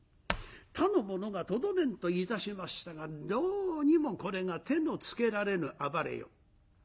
他の者がとどめんといたしましたがどうにもこれが手のつけられぬ暴れよう。